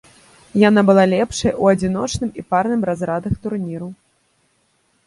Яна была лепшай у адзіночным і парным разрадах турніру.